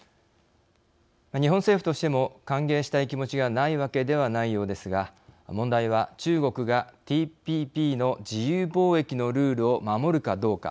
日本政府としても歓迎したい気持ちがないわけではないようですが問題は、中国がＴＰＰの自由貿易のルールを守るかどうか。